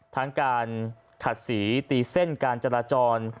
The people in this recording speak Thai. ทั้งการขัดสีตีเส้นการจราจร